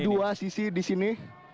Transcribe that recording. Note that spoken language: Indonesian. dua sisi di sini